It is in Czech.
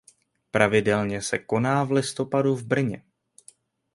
Pravidelně se koná v listopadu v Brně.